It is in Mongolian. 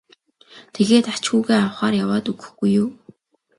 тэгээд ач хүүгээ авахаар яваад өгөхгүй юу.